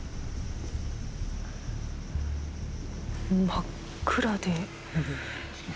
真っ暗で。